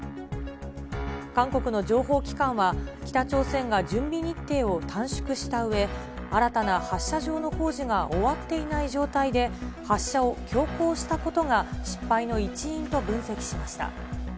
韓国の情報機関は、北朝鮮が準備日程を短縮したうえ、新たな発射場の工事が終わっていない状態で、発射を強行したことが失敗の一因と分析しました。